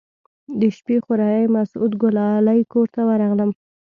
د شپې خوريي مسعود ګلالي کور ته ورغلم.